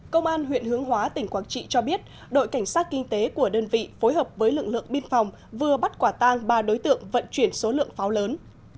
công an huyện hướng hóa tỉnh quảng trị cho biết đội cảnh sát kinh tế của đơn vị phối hợp với lực lượng biên phòng vừa bắt quả tang ba đối tượng vận chuyển số lượng pháo lớn